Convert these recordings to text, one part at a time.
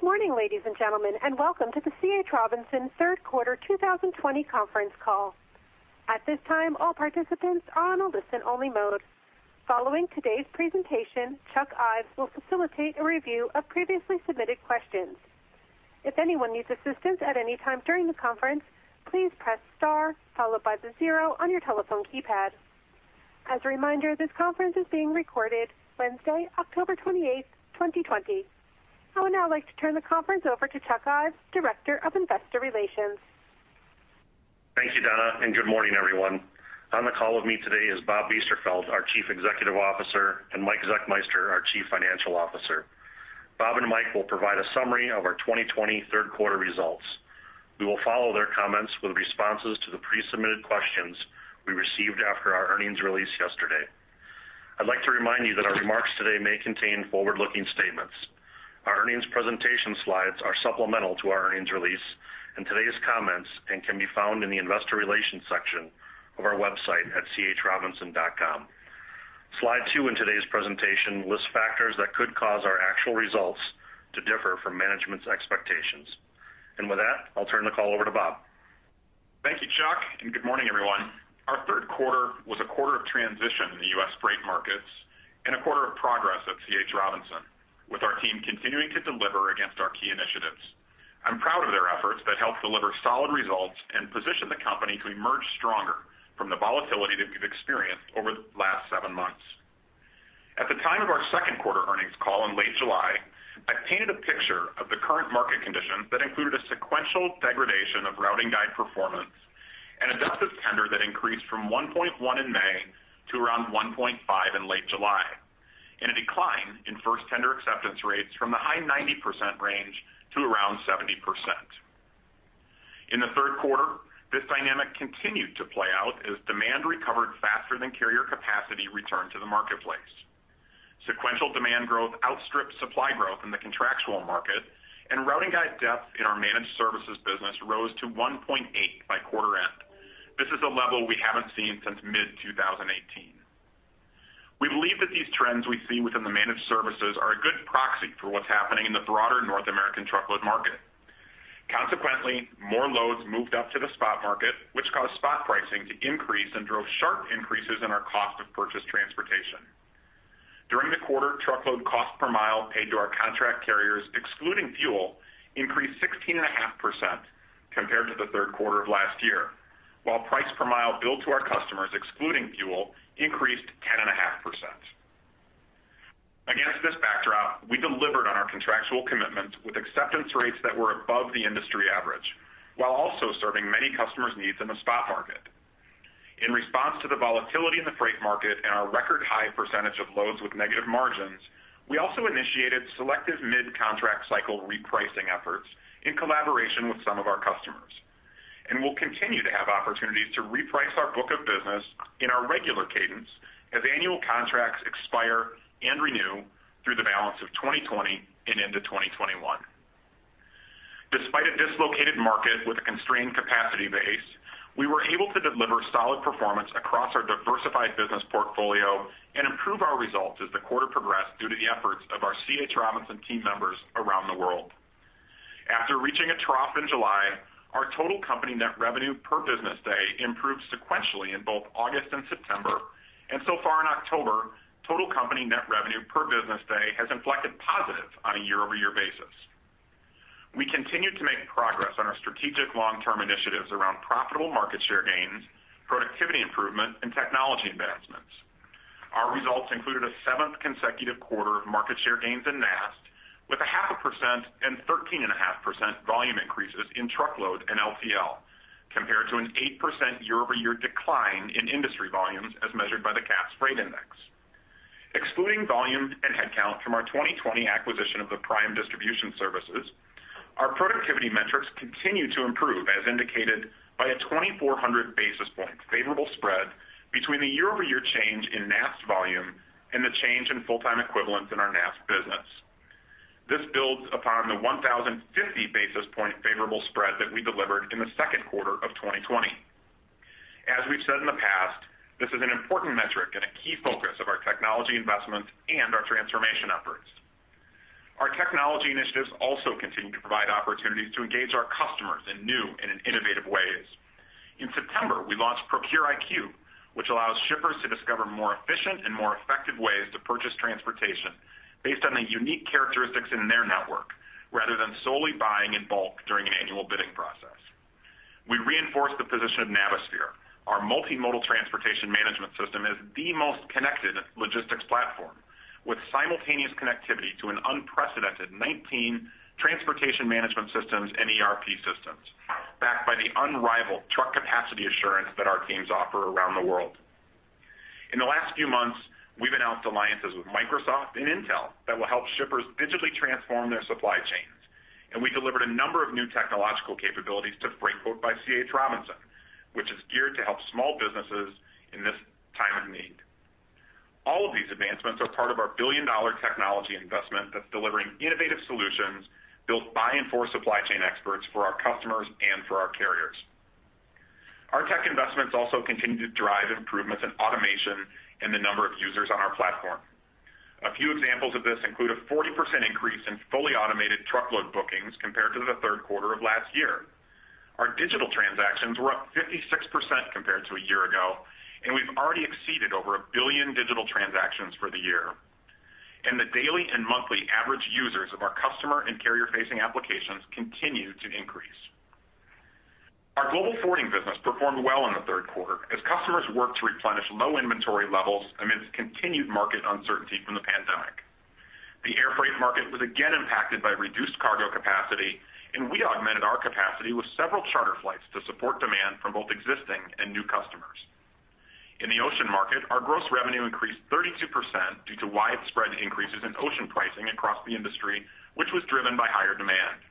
Good morning, ladies and gentlemen, and welcome to the C.H. Robinson third quarter 2020 conference call. At this time, all participants are on a listen-only mode. Following today's presentation, Chuck Ives will facilitate a review of previously submitted questions. If anyone needs assistance at any time during the conference, please press star and zero. As a reminder, this conference is being recorded Wednesday, October 28th, 2020. I would now like to turn the conference over to Chuck Ives, Director of Investor Relations. Thank you, Donna. Good morning, everyone. On the call with me today is Bob Biesterfeld, our Chief Executive Officer, and Mike Zechmeister, our Chief Financial Officer. Bob and Mike will provide a summary of our 2020 third quarter results. We will follow their comments with responses to the pre-submitted questions we received after our earnings release yesterday. I'd like to remind you that our remarks today may contain forward-looking statements. Our earnings presentation slides are supplemental to our earnings release and today's comments and can be found in the investor relations section of our website at chrobinson.com. Slide two in today's presentation lists factors that could cause our actual results to differ from management's expectations. With that, I'll turn the call over to Bob. Thank you, Chuck, and good morning, everyone. Our third quarter was a quarter of transition in the U.S. freight markets and a quarter of progress at C.H. Robinson, with our team continuing to deliver against our key initiatives. I'm proud of their efforts that helped deliver solid results and position the company to emerge stronger from the volatility that we've experienced over the last seven months. At the time of our second quarter earnings call in late July, I painted a picture of the current market conditions that included a sequential degradation of routing guide performance and a depth of tender that increased from 1.1 in May to around 1.5 in late July, and a decline in first tender acceptance rates from the high 90% range to around 70%. In the third quarter, this dynamic continued to play out as demand recovered faster than carrier capacity returned to the marketplace. Sequential demand growth outstripped supply growth in the contractual market, and routing guide depth in our managed services business rose to 1.8 by quarter end. This is a level we haven't seen since mid-2018. We believe that these trends we see within the managed services are a good proxy for what's happening in the broader North American truckload market. More loads moved up to the spot market, which caused spot pricing to increase and drove sharp increases in our cost of purchased transportation. During the quarter, truckload cost per mile paid to our contract carriers, excluding fuel, increased 16.5% compared to the third quarter of last year, while price per mile billed to our customers, excluding fuel, increased 10.5%. Against this backdrop, we delivered on our contractual commitments with acceptance rates that were above the industry average while also serving many customers' needs in the spot market. In response to the volatility in the freight market and our record high percentage of loads with negative margins, we also initiated selective mid-contract cycle repricing efforts in collaboration with some of our customers. We'll continue to have opportunities to reprice our book of business in our regular cadence as annual contracts expire and renew through the balance of 2020 and into 2021. Despite a dislocated market with a constrained capacity base, we were able to deliver solid performance across our diversified business portfolio and improve our results as the quarter progressed due to the efforts of our C.H. Robinson team members around the world. After reaching a trough in July, our total company net revenue per business day improved sequentially in both August and September. So far in October, total company net revenue per business day has inflected positive on a year-over-year basis. We continued to make progress on our strategic long-term initiatives around profitable market share gains, productivity improvement, and technology advancements. Our results included a seventh consecutive quarter of market share gains in NAST with a half a percent and 13.5% volume increases in truckload and LTL compared to an 8% year-over-year decline in industry volumes as measured by the Cass Freight Index. Excluding volume and headcount from our 2020 acquisition of the Prime Distribution Services, our productivity metrics continued to improve as indicated by a 2,400 basis point favorable spread between the year-over-year change in NAST volume and the change in full-time equivalents in our NAST business. This builds upon the 1,050 basis point favorable spread that we delivered in the second quarter of 2020. As we've said in the past, this is an important metric and a key focus of our technology investments and our transformation efforts. Our technology initiatives also continue to provide opportunities to engage our customers in new and innovative ways. In September, we launched ProcureIQ, which allows shippers to discover more efficient and more effective ways to purchase transportation based on the unique characteristics in their network rather than solely buying in bulk during an annual bidding process. We reinforced the position of Navisphere. Our multimodal transportation management system is the most connected logistics platform with simultaneous connectivity to an unprecedented 19 transportation management systems and ERP systems backed by the unrivaled truck capacity assurance that our teams offer around the world. In the last few months, we've announced alliances with Microsoft and Intel that will help shippers digitally transform their supply chains. We delivered a number of new technological capabilities to Freightquote by C.H. Robinson, which is geared to help small businesses in this time of need. All of these advancements are part of our billion-dollar technology investment that's delivering innovative solutions built by and for supply chain experts for our customers and for our carriers. Our tech investments also continue to drive improvements in automation and the number of users on our platform. A few examples of this include a 40% increase in fully automated truckload bookings compared to the third quarter of last year. Our digital transactions were up 56% compared to a year ago. We've already exceeded over one billion digital transactions for the year. The daily and monthly average users of our customer and carrier-facing applications continue to increase. Our global forwarding business performed well in the third quarter as customers worked to replenish low inventory levels amidst continued market uncertainty from the pandemic. The airfreight market was again impacted by reduced cargo capacity. We augmented our capacity with several charter flights to support demand from both existing and new customers. In the ocean market, our gross revenue increased 32% due to widespread increases in ocean pricing across the industry, which was driven by higher demand.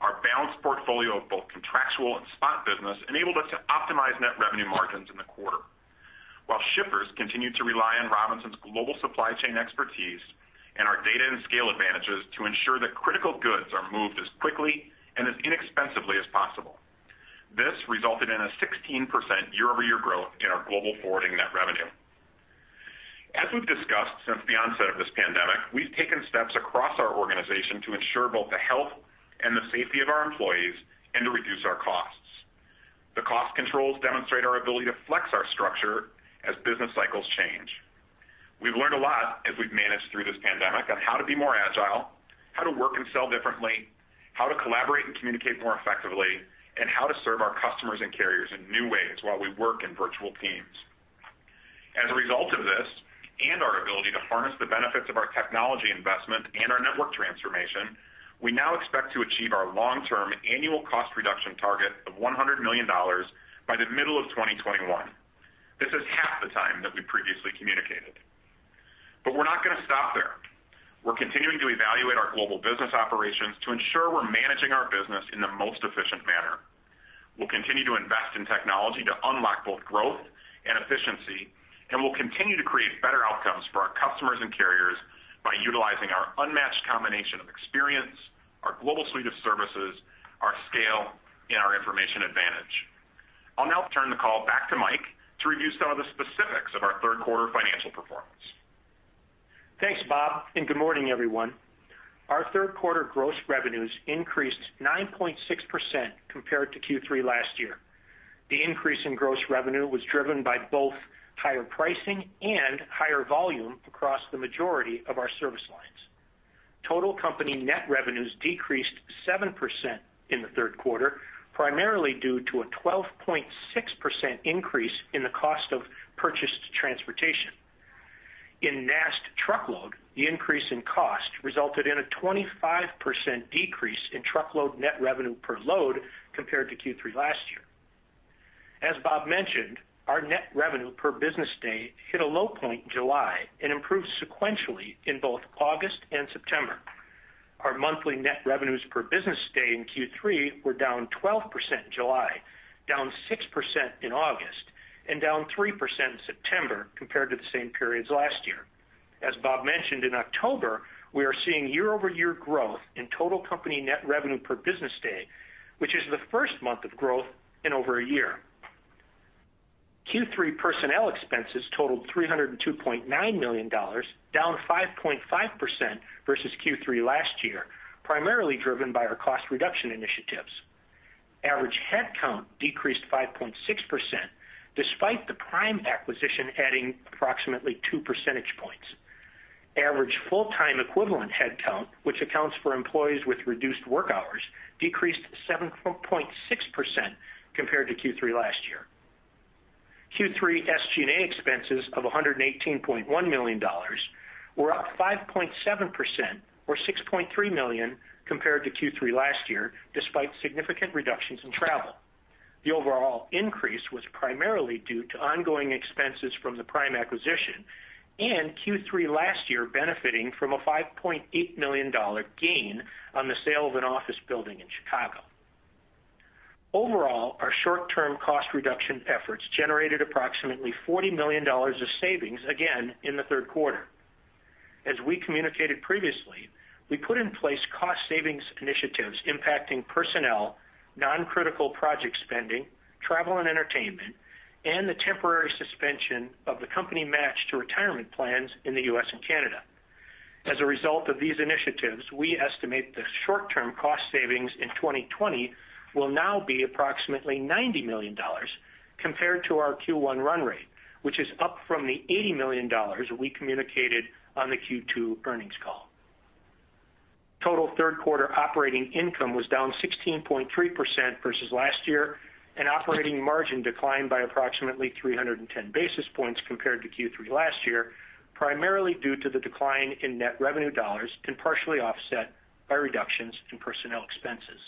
Our balanced portfolio of both contractual and spot business enabled us to optimize net revenue margins in the quarter. Shippers continued to rely on Robinson's global supply chain expertise and our data and scale advantages to ensure that critical goods are moved as quickly and as inexpensively as possible. This resulted in a 16% year-over-year growth in our global forwarding net revenue. As we've discussed since the onset of this pandemic, we've taken steps across our organization to ensure both the health and the safety of our employees and to reduce our costs. The cost controls demonstrate our ability to flex our structure as business cycles change. We've learned a lot as we've managed through this pandemic on how to be more agile, how to work and sell differently, how to collaborate and communicate more effectively, and how to serve our customers and carriers in new ways while we work in virtual teams. As a result of this and our ability to harness the benefits of our technology investment and our network transformation, we now expect to achieve our long-term annual cost reduction target of $100 million by the middle of 2021. This is half the time that we previously communicated. We're not going to stop there. We're continuing to evaluate our global business operations to ensure we're managing our business in the most efficient manner. We'll continue to invest in technology to unlock both growth and efficiency, we'll continue to create better outcomes for our customers and carriers by utilizing our unmatched combination of experience, our global suite of services, our scale, and our information advantage. I'll now turn the call back to Mike to review some of the specifics of our third quarter financial performance. Thanks, Bob, good morning, everyone. Our third quarter gross revenues increased 9.6% compared to Q3 last year. The increase in gross revenue was driven by both higher pricing and higher volume across the majority of our service lines. Total company net revenues decreased 7% in the third quarter, primarily due to a 12.6% increase in the cost of purchased transportation. In NAST Truckload, the increase in cost resulted in a 25% decrease in truckload net revenue per load compared to Q3 last year. As Bob mentioned, our net revenue per business day hit a low point in July and improved sequentially in both August and September. Our monthly net revenues per business day in Q3 were down 12% in July, down 6% in August, and down 3% in September compared to the same periods last year. As Bob mentioned, in October, we are seeing year-over-year growth in total company net revenue per business day, which is the first month of growth in over a year. Q3 personnel expenses totaled $302.9 million, down 5.5% versus Q3 last year, primarily driven by our cost reduction initiatives. Average headcount decreased 5.6%, despite the Prime acquisition adding approximately two percentage points. Average full-time equivalent headcount, which accounts for employees with reduced work hours, decreased 7.6% compared to Q3 last year. Q3 SG&A expenses of $118.1 million were up 5.7%, or $6.3 million compared to Q3 last year, despite significant reductions in travel. The overall increase was primarily due to ongoing expenses from the Prime acquisition and Q3 last year benefiting from a $5.8 million gain on the sale of an office building in Chicago. Overall, our short-term cost reduction efforts generated approximately $40 million of savings, again, in the third quarter. As we communicated previously, we put in place cost savings initiatives impacting personnel, non-critical project spending, travel and entertainment, and the temporary suspension of the company match to retirement plans in the U.S. and Canada. As a result of these initiatives, we estimate the short-term cost savings in 2020 will now be approximately $90 million compared to our Q1 run rate, which is up from the $80 million we communicated on the Q2 earnings call. Total third-quarter operating income was down 16.3% versus last year, and operating margin declined by approximately 310 basis points compared to Q3 last year, primarily due to the decline in net revenue dollars and partially offset by reductions in personnel expenses.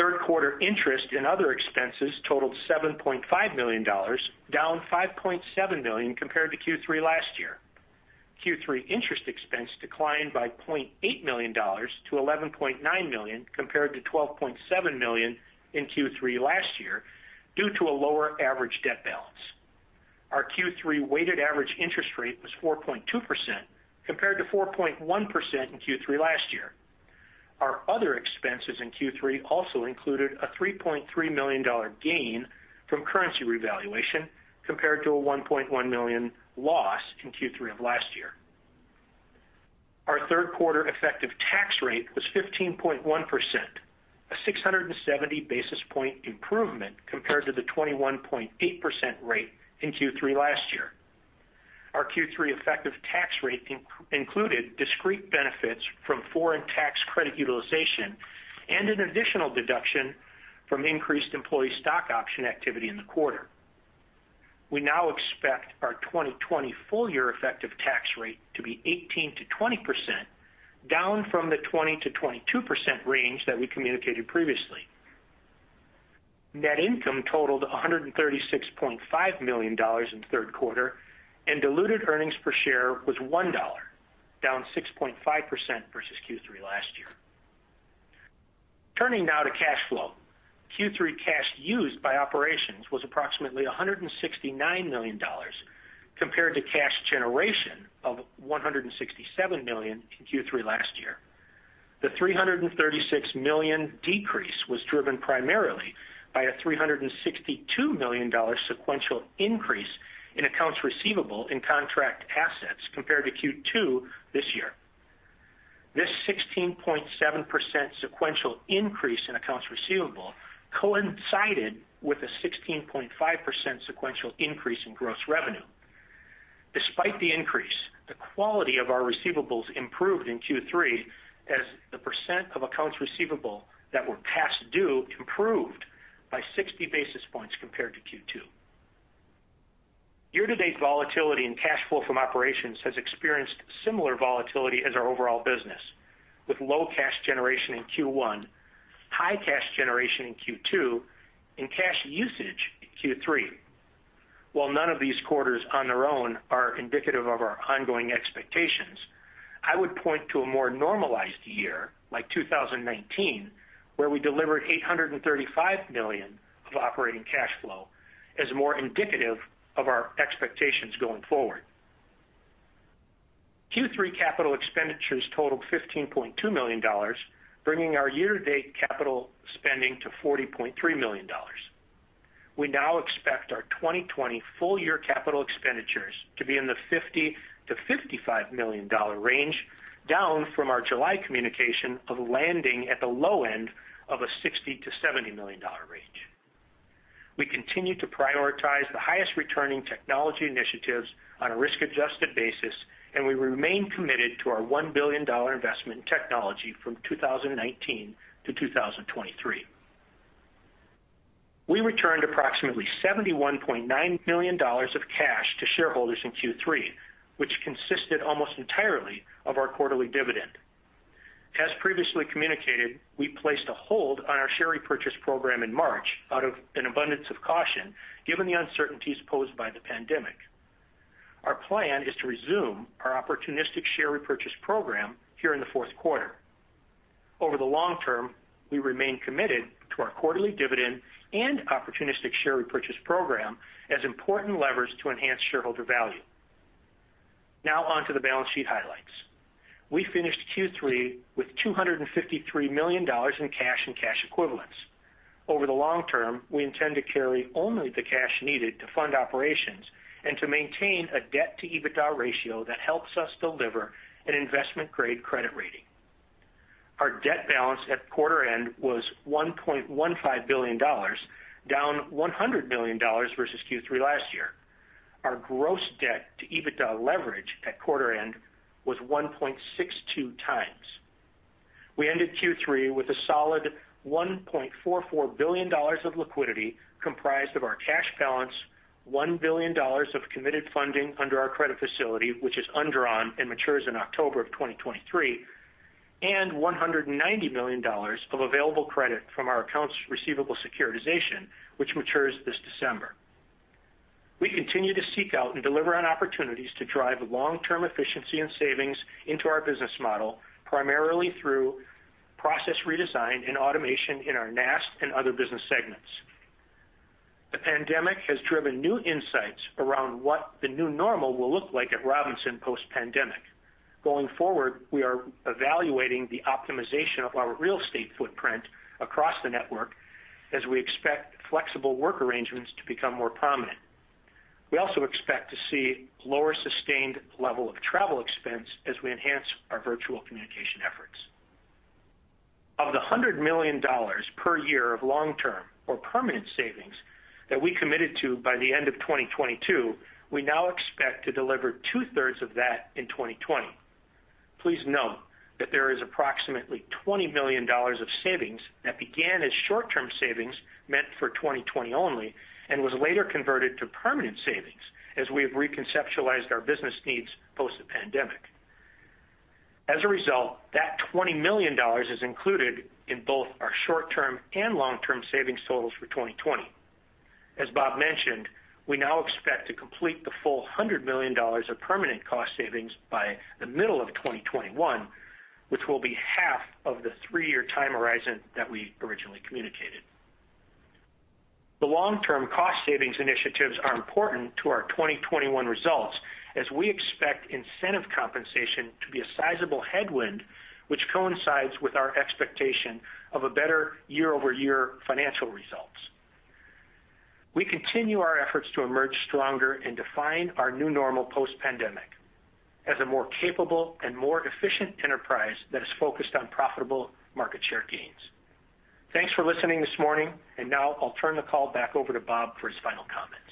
Third-quarter interest and other expenses totaled $7.5 million, down $5.7 million compared to Q3 last year. Q3 interest expense declined by $0.8 million to $11.9 million, compared to $12.7 million in Q3 last year, due to a lower average debt balance. Our Q3 weighted average interest rate was 4.2%, compared to 4.1% in Q3 last year. Our other expenses in Q3 also included a $3.3 million gain from currency revaluation, compared to a $1.1 million loss in Q3 of last year. Our third quarter effective tax rate was 15.1%, a 670 basis point improvement compared to the 21.8% rate in Q3 last year. Our Q3 effective tax rate included discrete benefits from foreign tax credit utilization and an additional deduction from increased employee stock option activity in the quarter. We now expect our 2020 full year effective tax rate to be 18%-20%, down from the 20%-22% range that we communicated previously. Net income totaled $136.5 million in the third quarter, and diluted earnings per share was $1, down 6.5% versus Q3 last year. Turning now to cash flow. Q3 cash used by operations was approximately $169 million, compared to cash generation of $167 million in Q3 last year. The $336 million decrease was driven primarily by a $362 million sequential increase in accounts receivable in contract assets compared to Q2 this year. This 16.7% sequential increase in accounts receivable coincided with a 16.5% sequential increase in gross revenue. Despite the increase, the quality of our receivables improved in Q3 as the percent of accounts receivable that were past due improved by 60 basis points compared to Q2. Year-to-date volatility and cash flow from operations has experienced similar volatility as our overall business, with low cash generation in Q1, high cash generation in Q2, and cash usage in Q3. While none of these quarters on their own are indicative of our ongoing expectations, I would point to a more normalized year like 2019, where we delivered $835 million of operating cash flow as more indicative of our expectations going forward. Q3 capital expenditures totaled $15.2 million, bringing our year-to-date capital spending to $40.3 million. We now expect our 2020 full year capital expenditures to be in the $50 million-$55 million range, down from our July communication of landing at the low end of a $60 million-$70 million range. We continue to prioritize the highest returning technology initiatives on a risk-adjusted basis, and we remain committed to our $1 billion investment in technology from 2019-2023. We returned approximately $71.9 million of cash to shareholders in Q3, which consisted almost entirely of our quarterly dividend. As previously communicated, we placed a hold on our share repurchase program in March out of an abundance of caution, given the uncertainties posed by the pandemic. Our plan is to resume our opportunistic share repurchase program here in the fourth quarter. Over the long term, we remain committed to our quarterly dividend and opportunistic share repurchase program as important levers to enhance shareholder value. On to the balance sheet highlights. We finished Q3 with $253 million in cash and cash equivalents. Over the long term, we intend to carry only the cash needed to fund operations and to maintain a debt-to-EBITDA ratio that helps us deliver an investment-grade credit rating. Our debt balance at quarter end was $1.15 billion, down $100 million versus Q3 last year. Our gross debt to EBITDA leverage at quarter end was 1.62x. We ended Q3 with a solid $1.44 billion of liquidity comprised of our cash balance, $1 billion of committed funding under our credit facility, which is undrawn and matures in October of 2023, and $190 million of available credit from our accounts receivable securitization, which matures this December. We continue to seek out and deliver on opportunities to drive long-term efficiency and savings into our business model, primarily through process redesign and automation in our NAST and other business segments. The pandemic has driven new insights around what the new normal will look like at Robinson post-pandemic. Going forward, we are evaluating the optimization of our real estate footprint across the network as we expect flexible work arrangements to become more prominent. We also expect to see lower sustained level of travel expense as we enhance our virtual communication efforts. Of the $100 million per year of long-term or permanent savings that we committed to by the end of 2022, we now expect to deliver two-thirds of that in 2020. Please note that there is approximately $20 million of savings that began as short-term savings meant for 2020 only and was later converted to permanent savings as we have reconceptualized our business needs post the pandemic. As a result, that $20 million is included in both our short-term and long-term savings totals for 2020. As Bob mentioned, we now expect to complete the full $100 million of permanent cost savings by the middle of 2021, which will be half of the three-year time horizon that we originally communicated. The long-term cost savings initiatives are important to our 2021 results as we expect incentive compensation to be a sizable headwind, which coincides with our expectation of a better year-over-year financial results. We continue our efforts to emerge stronger and define our new normal post-pandemic as a more capable and more efficient enterprise that is focused on profitable market share gains. Thanks for listening this morning, now I'll turn the call back over to Bob for his final comments.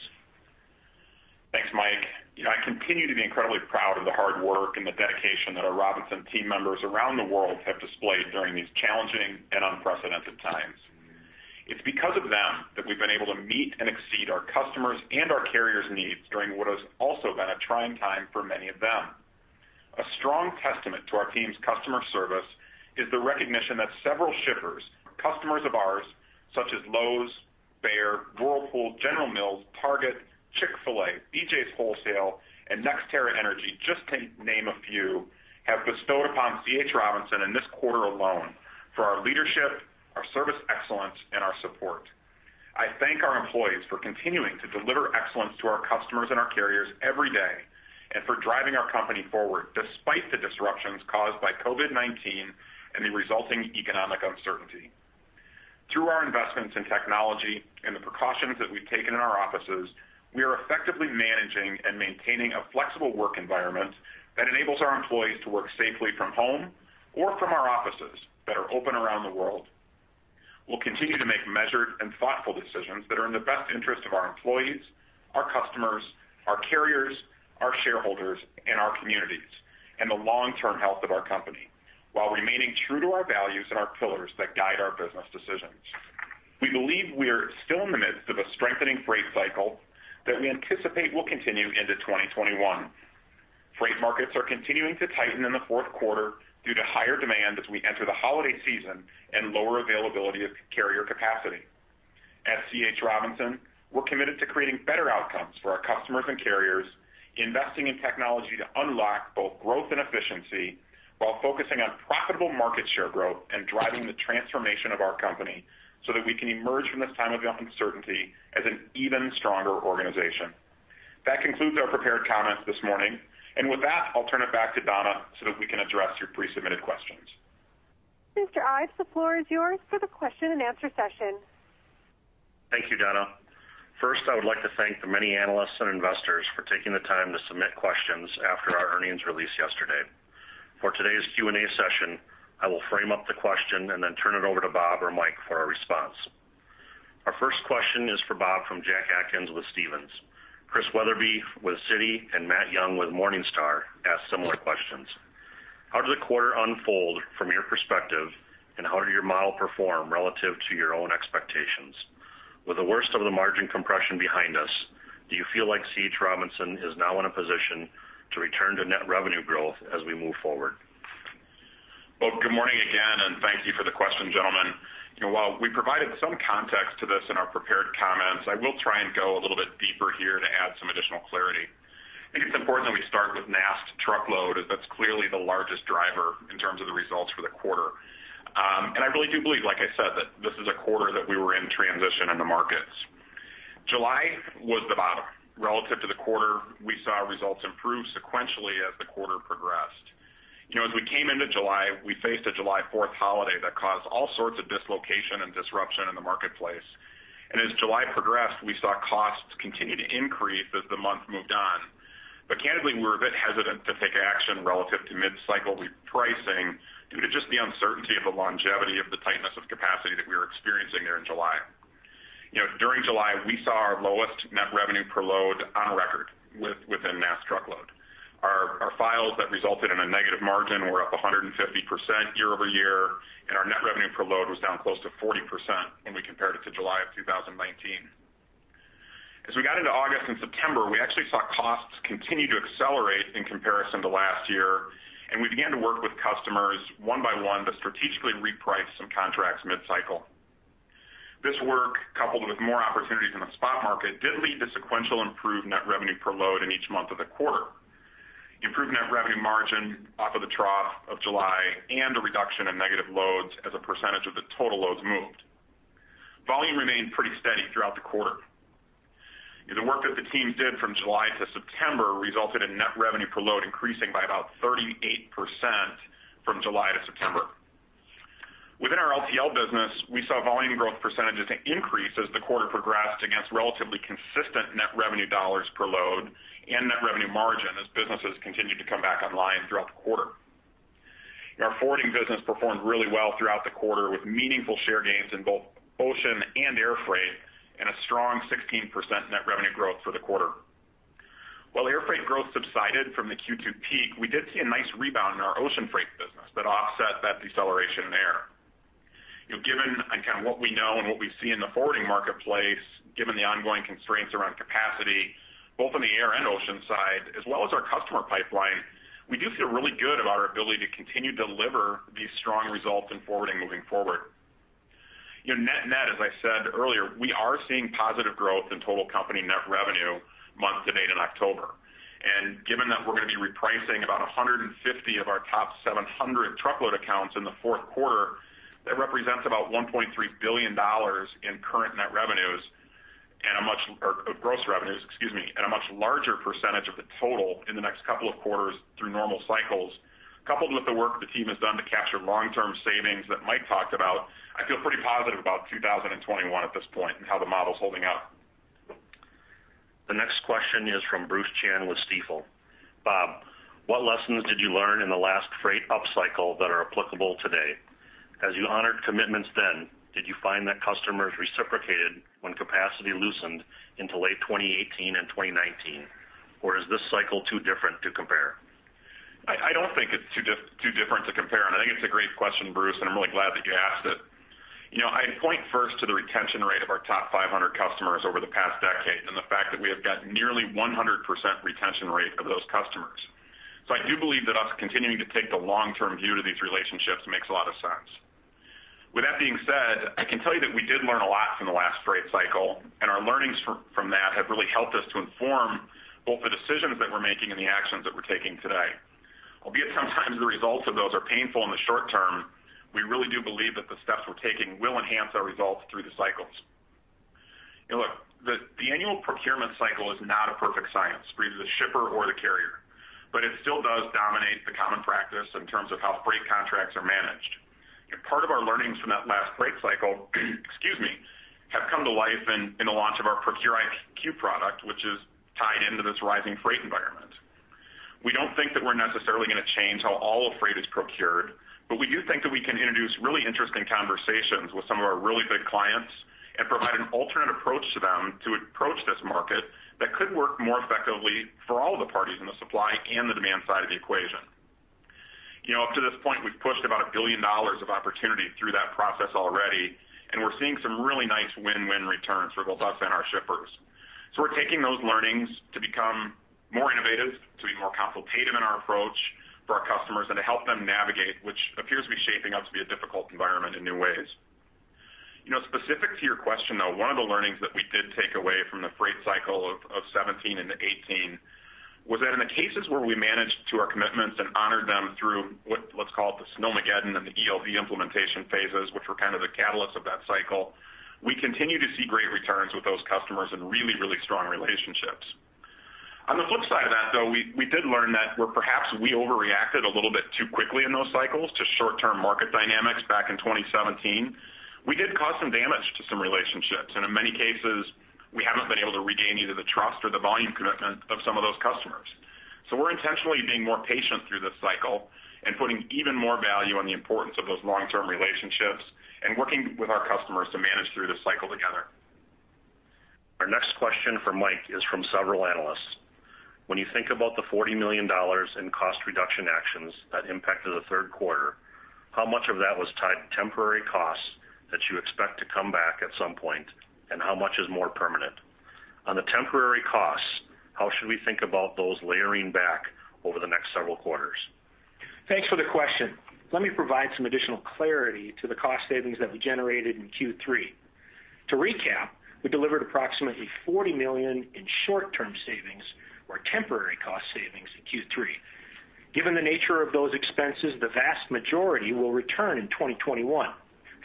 Thanks, Mike. I continue to be incredibly proud of the hard work and the dedication that our Robinson team members around the world have displayed during these challenging and unprecedented times. It's because of them that we've been able to meet and exceed our customers' and our carriers' needs during what has also been a trying time for many of them. A strong testament to our team's customer service is the recognition that several shippers, customers of ours, such as Lowe's, Bayer, Whirlpool, General Mills, Target, Chick-fil-A, BJ's Wholesale, and NextEra Energy, just to name a few, have bestowed upon C.H. Robinson in this quarter alone for our leadership, our service excellence, and our support. I thank our employees for continuing to deliver excellence to our customers and our carriers every day, and for driving our company forward despite the disruptions caused by COVID-19 and the resulting economic uncertainty. Through our investments in technology and the precautions that we've taken in our offices, we are effectively managing and maintaining a flexible work environment that enables our employees to work safely from home or from our offices that are open around the world. We'll continue to make measured and thoughtful decisions that are in the best interest of our employees, our customers, our carriers, our shareholders, and our communities, and the long-term health of our company, while remaining true to our values and our pillars that guide our business decisions. We believe we are still in the midst of a strengthening freight cycle that we anticipate will continue into 2021. Freight markets are continuing to tighten in the fourth quarter due to higher demand as we enter the holiday season and lower availability of carrier capacity. At C.H. Robinson, we're committed to creating better outcomes for our customers and carriers, investing in technology to unlock both growth and efficiency while focusing on profitable market share growth and driving the transformation of our company so that we can emerge from this time of uncertainty as an even stronger organization. That concludes our prepared comments this morning. With that, I'll turn it back to Donna so that we can address your pre-submitted questions. Mr. Ives, the floor is yours for the question and answer session. Thank you, Donna. First, I would like to thank the many analysts and investors for taking the time to submit questions after our earnings release yesterday. For today's Q&A session, I will frame up the question and then turn it over to Bob or Mike for a response. Our first question is for Bob from Jack Atkins with Stephens. Chris Wetherbee with Citi and Matt Young with Morningstar asked similar questions. How did the quarter unfold from your perspective, and how did your model perform relative to your own expectations? With the worst of the margin compression behind us, do you feel like C.H. Robinson is now in a position to return to net revenue growth as we move forward? Well, good morning again, and thank you for the question, gentlemen. While we provided some context to this in our prepared comments, I will try and go a little bit deeper here to add some additional clarity. I think it's important that we start with NAST truckload, as that's clearly the largest driver in terms of the results for the quarter. I really do believe, like I said, that this is a quarter that we were in transition in the markets. July was the bottom. Relative to the quarter, we saw results improve sequentially as the quarter progressed. As we came into July, we faced a July 4th holiday that caused all sorts of dislocation and disruption in the marketplace. As July progressed, we saw costs continue to increase as the month moved on. Candidly, we were a bit hesitant to take action relative to mid-cycle pricing due to just the uncertainty of the longevity of the tightness of capacity that we were experiencing there in July. During July, we saw our lowest net revenue per load on record within NAST truckload. Our files that resulted in a negative margin were up 150% year-over-year, and our net revenue per load was down close to 40% when we compared it to July of 2019. As we got into August and September, we actually saw costs continue to accelerate in comparison to last year, and we began to work with customers one by one to strategically reprice some contracts mid-cycle. This work, coupled with more opportunities in the spot market, did lead to sequential improved net revenue per load in each month of the quarter, improved net revenue margin off of the trough of July, and a reduction in negative loads as a percentage of the total loads moved. Volume remained pretty steady throughout the quarter. The work that the team did from July to September resulted in net revenue per load increasing by about 38% from July to September. Within our LTL business, we saw volume growth % increase as the quarter progressed against relatively consistent net revenue dollars per load and net revenue margin as businesses continued to come back online throughout the quarter. Our forwarding business performed really well throughout the quarter, with meaningful share gains in both ocean and air freight and a strong 16% net revenue growth for the quarter. While airfreight growth subsided from the Q2 peak, we did see a nice rebound in our ocean freight business that offset that deceleration there. Given what we know and what we see in the forwarding marketplace, given the ongoing constraints around capacity, both on the air and ocean side, as well as our customer pipeline, we do feel really good about our ability to continue to deliver these strong results in forwarding moving forward. Net-net, as I said earlier, we are seeing positive growth in total company net revenue month to date in October. Given that we're going to be repricing about 150 of our top 700 truckload accounts in the fourth quarter, that represents about $1.3 billion in current gross revenues, and a much larger percentage of the total in the next couple of quarters through normal cycles. Coupled with the work the team has done to capture long-term savings that Mike talked about, I feel pretty positive about 2021 at this point and how the model's holding up. The next question is from Bruce Chan with Stifel. Bob, what lessons did you learn in the last freight up cycle that are applicable today? As you honored commitments then, did you find that customers reciprocated when capacity loosened into late 2018 and 2019? Is this cycle too different to compare? I don't think it's too different to compare, and I think it's a great question, Bruce, and I'm really glad that you asked it. I'd point first to the retention rate of our top 500 customers over the past decade, and the fact that we have got nearly 100% retention rate of those customers. I do believe that us continuing to take the long-term view to these relationships makes a lot of sense. With that being said, I can tell you that we did learn a lot from the last freight cycle, and our learnings from that have really helped us to inform both the decisions that we're making and the actions that we're taking today. Albeit sometimes the results of those are painful in the short term, we really do believe that the steps we're taking will enhance our results through the cycles. Look, the annual procurement cycle is not a perfect science for either the shipper or the carrier, but it still does dominate the common practice in terms of how freight contracts are managed. Part of our learnings from that last freight cycle have come to life in the launch of our Procure IQ product, which is tied into this rising freight environment. We don't think that we're necessarily going to change how all of freight is procured, but we do think that we can introduce really interesting conversations with some of our really big clients and provide an alternate approach to them to approach this market that could work more effectively for all the parties in the supply and the demand side of the equation. Up to this point, we've pushed about $1 billion of opportunity through that process already. We're seeing some really nice win-win returns for both us and our shippers. We're taking those learnings to become more innovative, to be more consultative in our approach for our customers, and to help them navigate, which appears to be shaping up to be a difficult environment in new ways. Specific to your question, though, one of the learnings that we did take away from the freight cycle of 2017 and 2018 was that in the cases where we managed to our commitments and honored them through what's called the Snowmageddon and the ELD implementation phases, which were kind of the catalyst of that cycle, we continue to see great returns with those customers and really strong relationships. On the flip side of that, though, we did learn that where perhaps we overreacted a little bit too quickly in those cycles to short-term market dynamics back in 2017. We did cause some damage to some relationships. In many cases, we haven't been able to regain either the trust or the volume commitment of some of those customers. We're intentionally being more patient through this cycle and putting even more value on the importance of those long-term relationships and working with our customers to manage through this cycle together. Our next question for Mike is from several analysts. You think about the $40 million in cost reduction actions that impacted the third quarter, how much of that was tied to temporary costs that you expect to come back at some point, and how much is more permanent? On the temporary costs, how should we think about those layering back over the next several quarters? Thanks for the question. Let me provide some additional clarity to the cost savings that we generated in Q3. To recap, we delivered approximately $40 million in short-term savings or temporary cost savings in Q3. Given the nature of those expenses, the vast majority will return in 2021.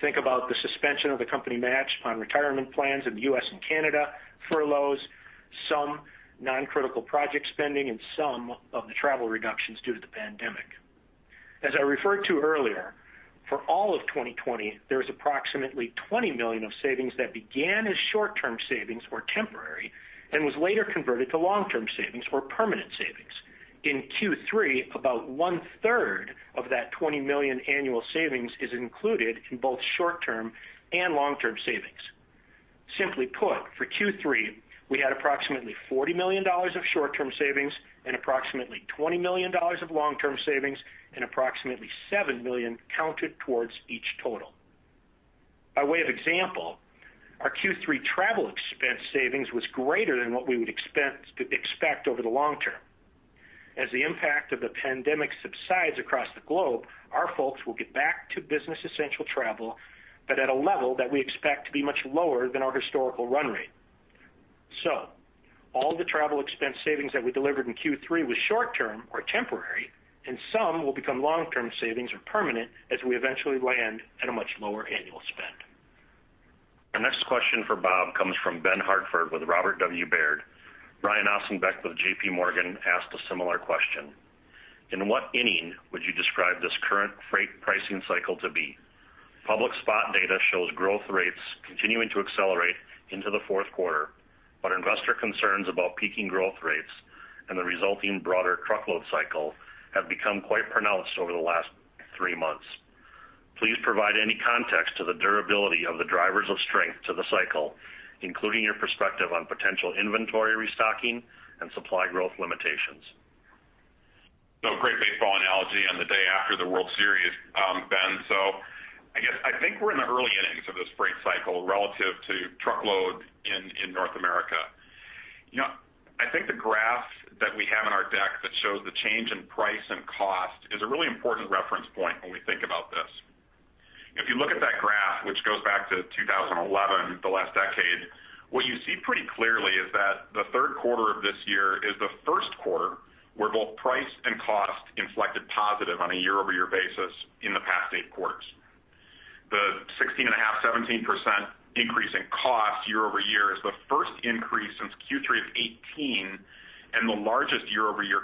Think about the suspension of the company match on retirement plans in the U.S. and Canada, furloughs, some non-critical project spending, and some of the travel reductions due to the pandemic. As I referred to earlier, for all of 2020, there is approximately $20 million of savings that began as short-term savings or temporary, and was later converted to long-term savings or permanent savings. In Q3, about one-third of that $20 million annual savings is included in both short-term and long-term savings. Simply put, for Q3, we had approximately $40 million of short-term savings and approximately $20 million of long-term savings, and approximately $7 million counted towards each total. By way of example, our Q3 travel expense savings was greater than what we would expect over the long term. As the impact of the pandemic subsides across the globe, our folks will get back to business essential travel, but at a level that we expect to be much lower than our historical run rate. All the travel expense savings that we delivered in Q3 was short-term or temporary, and some will become long-term savings or permanent as we eventually land at a much lower annual spend. Our next question for Bob comes from Ben Hartford with Robert W. Baird. Brian Ossenbeck with JPMorgan asked a similar question. In what inning would you describe this current freight pricing cycle to be? Public spot data shows growth rates continuing to accelerate into the fourth quarter, but investor concerns about peaking growth rates and the resulting broader truckload cycle have become quite pronounced over the last three months. Please provide any context to the durability of the drivers of strength to the cycle, including your perspective on potential inventory restocking and supply growth limitations. Great baseball analogy on the day after the World Series, Ben. I guess I think we're in the early innings of this freight cycle relative to truckload in North America. I think the graph that we have on our deck that shows the change in price and cost is a really important reference point when we think about this. In 2011, the last decade, what you see pretty clearly is that the third quarter of this year is the first quarter where both price and cost inflected positive on a year-over-year basis in the past eight quarters. The 16.5%-17% increase in cost year-over-year is the first increase since Q3 of 2018, and the largest year-over-year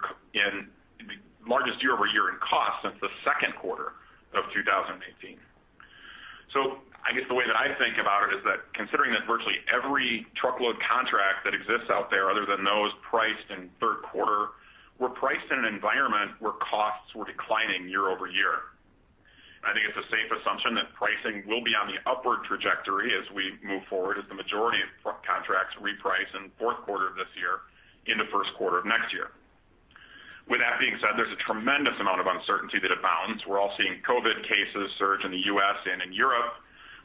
in cost since the second quarter of 2018. I guess the way that I think about it is that considering that virtually every truckload contract that exists out there other than those priced in third quarter, were priced in an environment where costs were declining year-over-year. I think it's a safe assumption that pricing will be on the upward trajectory as we move forward as the majority of truck contracts reprice in the fourth quarter of this year, in the first quarter of next year. With that being said, there's a tremendous amount of uncertainty that abounds. We're all seeing COVID cases surge in the U.S. and in Europe.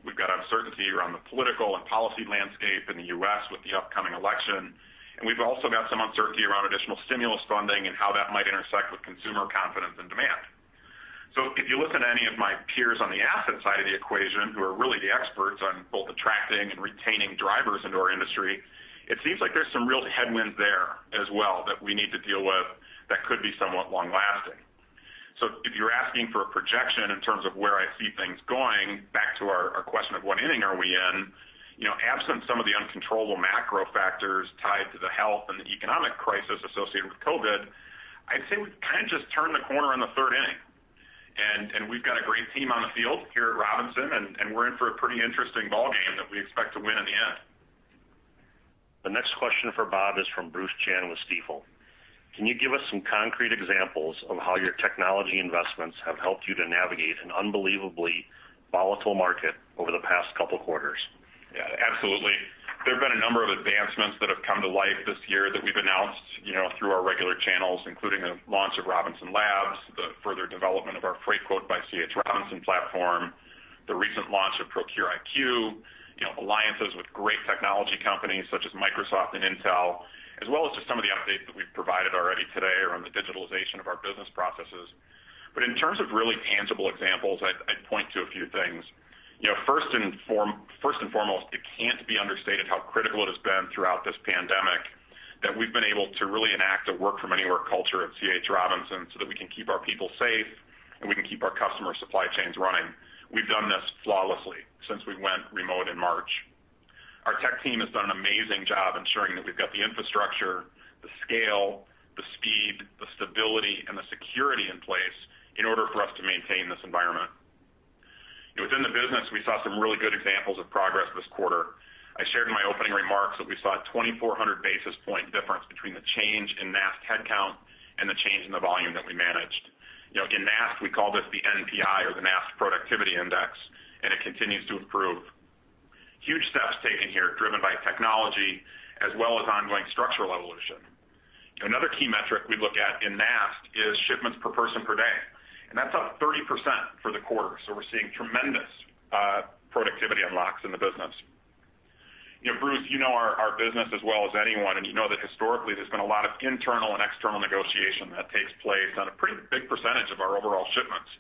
We've got uncertainty around the political and policy landscape in the U.S. with the upcoming election, and we've also got some uncertainty around additional stimulus funding and how that might intersect with consumer confidence and demand. If you listen to any of my peers on the asset side of the equation, who are really the experts on both attracting and retaining drivers into our industry, it seems like there's some real headwinds there as well that we need to deal with that could be somewhat long-lasting. If you're asking for a projection in terms of where I see things going, back to our question of what inning are we in, absent some of the uncontrollable macro factors tied to the health and the economic crisis associated with COVID-19, I'd say we've kind of just turned the corner on the third inning. We've got a great team on the field here at Robinson, and we're in for a pretty interesting ballgame that we expect to win in the end. The next question for Bob is from Bruce Chan with Stifel. "Can you give us some concrete examples of how your technology investments have helped you to navigate an unbelievably volatile market over the past couple quarters? Yeah, absolutely. There have been a number of advancements that have come to life this year that we've announced through our regular channels, including the launch of Robinson Labs, the further development of our Freightquote by C.H. Robinson platform, the recent launch of Procure IQ, alliances with great technology companies such as Microsoft and Intel, as well as just some of the updates that we've provided already today around the digitalization of our business processes. In terms of really tangible examples, I'd point to a few things. First and foremost, it can't be understated how critical it has been throughout this pandemic that we've been able to really enact a work from anywhere culture at C.H. Robinson so that we can keep our people safe and we can keep our customer supply chains running. We've done this flawlessly since we went remote in March. Our tech team has done an amazing job ensuring that we've got the infrastructure, the scale, the speed, the stability, and the security in place in order for us to maintain this environment. Within the business, we saw some really good examples of progress this quarter. I shared in my opening remarks that we saw a 2,400 basis point difference between the change in NAST headcount and the change in the volume that we managed. In NAST, we call this the NPI or the NAST Productivity Index, and it continues to improve. Huge steps taken here driven by technology as well as ongoing structural evolution. Another key metric we look at in NAST is shipments per person per day, and that's up 30% for the quarter. We're seeing tremendous productivity unlocks in the business. Bruce, you know our business as well as anyone, and you know that historically, there's been a lot of internal and external negotiation that takes place on a pretty big percentage of our overall shipments.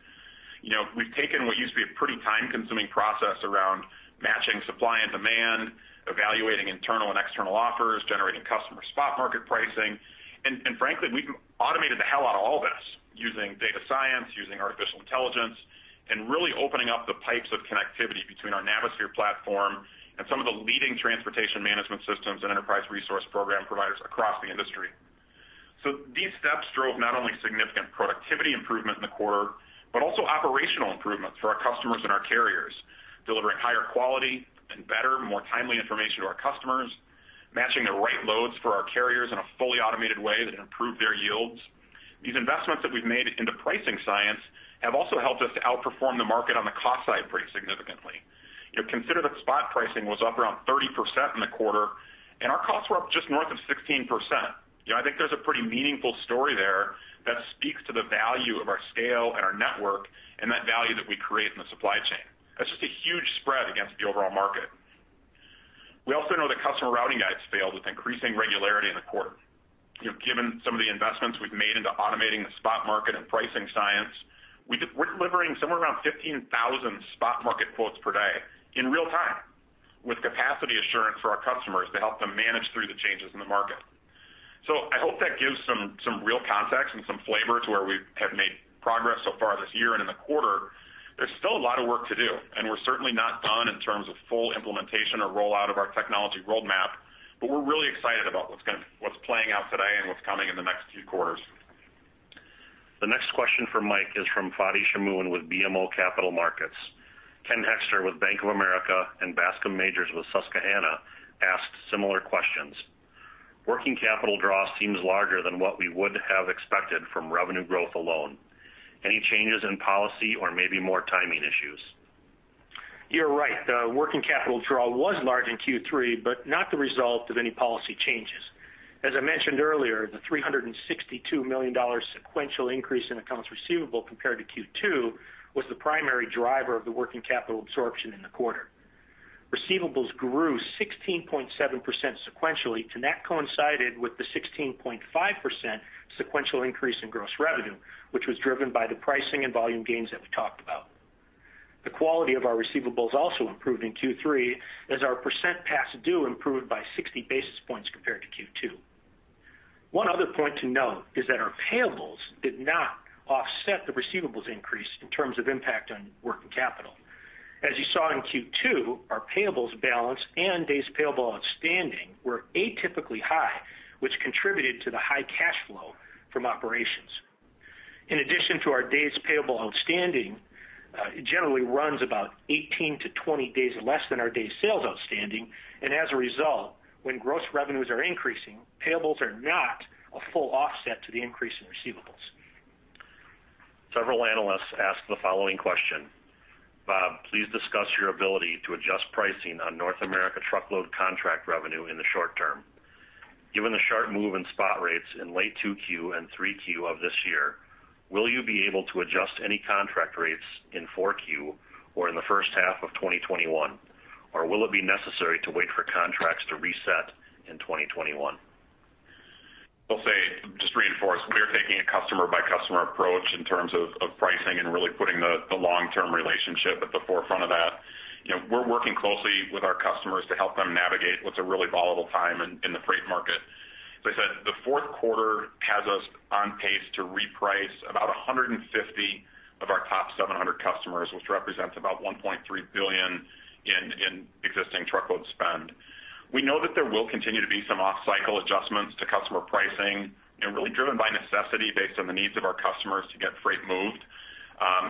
We've taken what used to be a pretty time-consuming process around matching supply and demand, evaluating internal and external offers, generating customer spot market pricing, and frankly, we've automated the hell out of all this using data science, using artificial intelligence, and really opening up the pipes of connectivity between our Navisphere platform and some of the leading transportation management systems and enterprise resource program providers across the industry. These steps drove not only significant productivity improvement in the quarter, but also operational improvements for our customers and our carriers, delivering higher quality and better, more timely information to our customers, matching the right loads for our carriers in a fully automated way that improved their yields. These investments that we've made into pricing science have also helped us to outperform the market on the cost side pretty significantly. Consider that spot pricing was up around 30% in the quarter, and our costs were up just north of 16%. I think there's a pretty meaningful story there that speaks to the value of our scale and our network, and that value that we create in the supply chain. That's just a huge spread against the overall market. We also know that customer routing guides failed with increasing regularity in the quarter. Given some of the investments we've made into automating the spot market and pricing science, we're delivering somewhere around 15,000 spot market quotes per day in real time with capacity assurance for our customers to help them manage through the changes in the market. I hope that gives some real context and some flavor to where we have made progress so far this year and in the quarter. There's still a lot of work to do, and we're certainly not done in terms of full implementation or rollout of our technology roadmap, but we're really excited about what's playing out today and what's coming in the next few quarters. The next question for Mike is from Fadi Chamoun with BMO Capital Markets. Ken Hoexter with Bank of America and Bascome Majors with Susquehanna asked similar questions. "Working capital draw seems larger than what we would have expected from revenue growth alone. Any changes in policy or maybe more timing issues? You're right. The working capital draw was large in Q3, but not the result of any policy changes. As I mentioned earlier, the $362 million sequential increase in accounts receivable compared to Q2 was the primary driver of the working capital absorption in the quarter. Receivables grew 16.7% sequentially. That coincided with the 16.5% sequential increase in gross revenue, which was driven by the pricing and volume gains that we talked about. The quality of our receivables also improved in Q3 as our percent past due improved by 60 basis points compared to Q2. One other point to note is that our payables did not offset the receivables increase in terms of impact on working capital. As you saw in Q2, our payables balance and days payable outstanding were atypically high, which contributed to the high cash flow from operations. In addition to our days payable outstanding, it generally runs about 18-20 days less than our days sales outstanding. As a result, when gross revenues are increasing, payables are not a full offset to the increase in receivables. Several analysts asked the following question. "Bob, please discuss your ability to adjust pricing on North America truckload contract revenue in the short term. Given the sharp move in spot rates in late 2Q and 3Q of this year, will you be able to adjust any contract rates in 4Q or in the first half of 2021, or will it be necessary to wait for contracts to reset in 2021? I'll say, just to reinforce, we are taking a customer by customer approach in terms of pricing and really putting the long-term relationship at the forefront of that. We're working closely with our customers to help them navigate what's a really volatile time in the freight market. As I said, the fourth quarter has us on pace to reprice about 150 of our top 700 customers, which represents about $1.3 billion in existing truckload spend. We know that there will continue to be some off-cycle adjustments to customer pricing and really driven by necessity based on the needs of our customers to get freight moved,